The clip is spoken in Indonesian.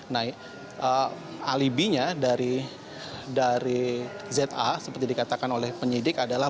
nah alibinya dari za seperti dikatakan oleh penyidik adalah